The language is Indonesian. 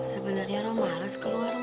sebenernya rok males keluar mak